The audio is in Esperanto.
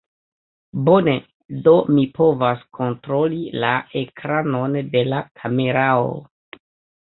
Bone, do mi povas kontroli la ekranon de la kamerao.